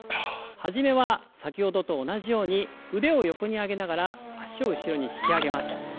始めは先ほどと同じように腕を横に上げながら脚を後ろに引き上げます。